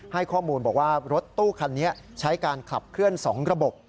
ให้ข้อมูลบอกว่ารถตู้คันนี้ใช้การขับเคลื่อน๒ระบบ